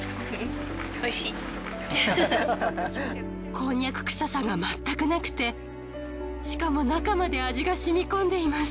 こんにゃく臭さがまったくなくてしかも中まで味がしみ込んでいます。